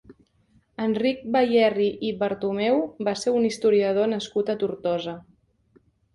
Enric Bayerri i Bertomeu va ser un historiador nascut a Tortosa.